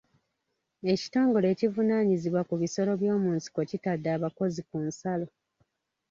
Ekitongole ekivunaanyizibwa ku bisolo by'omu nsiko kyatadde abakozi ku nsalo.